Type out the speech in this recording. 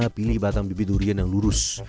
pilih batang bibit durian yang lurus